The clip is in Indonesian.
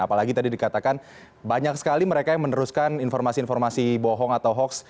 apalagi tadi dikatakan banyak sekali mereka yang meneruskan informasi informasi bohong atau hoax